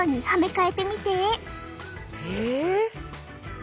え！